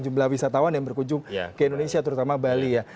jumlah wisatawan yang berkunjung ke indonesia terutama bali ya